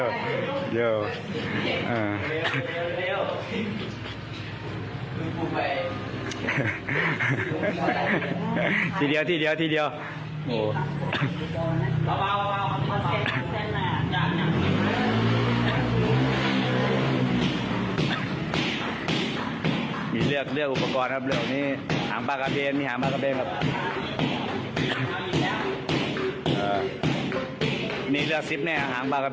พี่มัวแต่งงานค่ะ